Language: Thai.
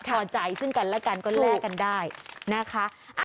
พอใจซึ่งกันและกันก็แลกกันได้นะคะ